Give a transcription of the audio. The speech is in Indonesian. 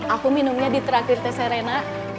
aku minumnya di terakhir teh serena